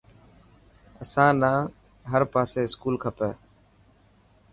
اسان نا هر پاسي اسڪول کپي.